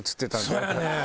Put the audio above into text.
そやねん！